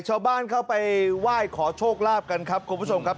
ชาวบ้านเข้าไปไหว้ขอโชคลาภกันครับคุณผู้ชมครับ